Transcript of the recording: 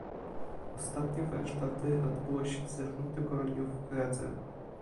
Ostatnie warsztaty odbyły się w zeszłym tygodniu w Pradze